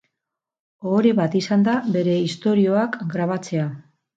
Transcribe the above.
Ohore bat izan da bere istorioak grabatzea.